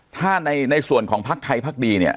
ถ้าในส่วนของภักดีภักดีและไทย